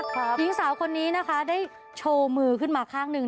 หญิงสาวคนนี้นะคะได้โชว์มือขึ้นมาข้างหนึ่ง